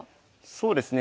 そうですね